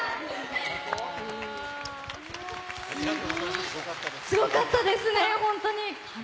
すごい！すごかったですね、本当に！